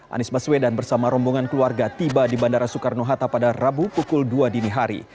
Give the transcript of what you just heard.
anies baswedan bersama rombongan keluarga tiba di bandara soekarno hatta pada rabu pukul dua dini hari